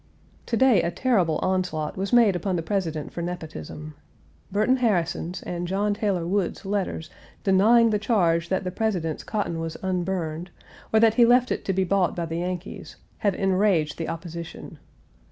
To day a terrible onslaught was made upon the President for nepotism. Burton Harrison's and John Taylor Wood's letters denying the charge that the President's cotton was unburned, or that he left it to be bought by the Yankees, have enraged the opposition.